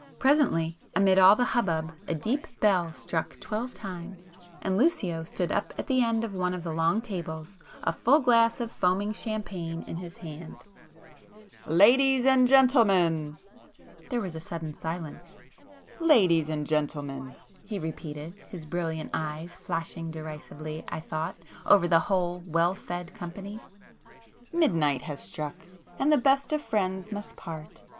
Presently, amid all the hubbub, a deep bell struck twelve times, and Lucio stood up at the end of one of the long tables, a full glass of foaming champagne in his hand— "Ladies and gentlemen!" There was a sudden silence. "Ladies and gentlemen!" he repeated, his brilliant eyes flashing derisively, I thought, over the whole well fed company, "Midnight has struck and the best of friends must part!